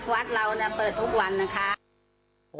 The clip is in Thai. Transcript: วัดเราเปิดทุกวันนะคะ